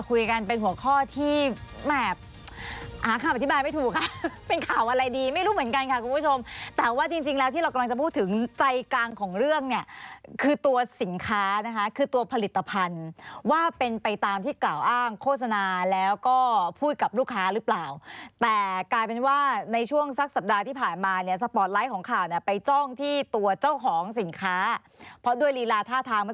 ขวดใหญ่แต่ตอนหลังเขาบอกว่าขวดใหญ่แต่ตอนหลังเขาบอกว่าขวดใหญ่แต่ตอนหลังเขาบอกว่าขวดใหญ่แต่ตอนหลังเขาบอกว่าขวดใหญ่แต่ตอนหลังเขาบอกว่าขวดใหญ่แต่ตอนหลังเขาบอกว่าขวดใหญ่แต่ตอนหลังเขาบอกว่าขวดใหญ่แต่ตอนหลังเขาบอกว่าขวดใหญ่แต่ตอนหลังเขาบอกว่าขวดใหญ่แต่ตอนหลังเขาบอกว่าขวดใหญ่แต่ตอนห